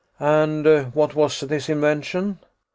"And what was this invention?"